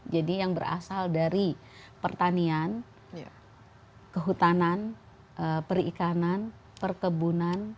jadi yang berasal dari pertanian kehutanan perikanan perkebunan